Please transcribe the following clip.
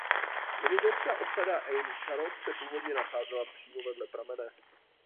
Zemědělská osada Ejn Charod se původně nacházela přímo vedle pramene.